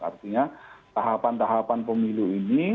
artinya tahapan tahapan pemilu ini